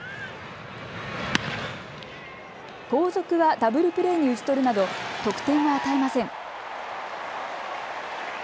後続はダブルプレーに打ち取るなど得点は与えません。